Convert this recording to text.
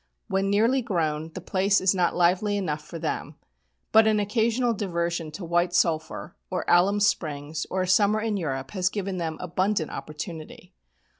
When nearly grown, the place is not lively enough for them, but an occasional diversion to White Sulphur, or Alum Springs, or a summer in Europe, has given them abundant opportunity.